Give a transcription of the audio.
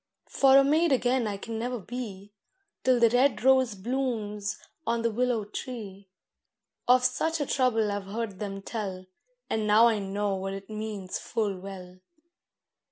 For a maid again I can never be, Till the red rose blooms on the willow tree. Of such a trouble I've heard them tell, And now I know what it means full well.